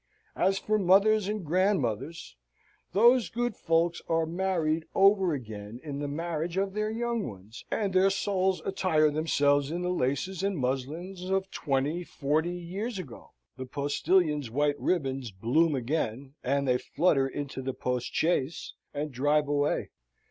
As for mothers and grandmothers, those good folks are married over again in the marriage of their young ones; and their souls attire themselves in the laces and muslins of twenty forty years ago; the postillion's white ribbons bloom again, and they flutter into the postchaise, and drive away.